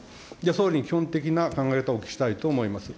総理に基本的な考え方をお聞きしたいと思います。